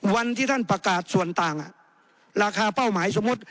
วันที่ท่านประกาศส่วนต่างราคาเป้าหมายสมมุติ